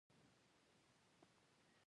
ایا د هغوی ستونزې اورئ؟